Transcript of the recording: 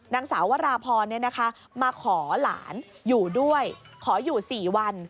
นางสาววราพรมาขอหลานอยู่ด้วยขออยู่๔วัน